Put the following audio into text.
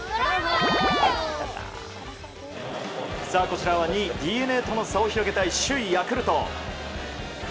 こちらは２位、ＤｅＮＡとの差を広げたい首位、ヤクルト。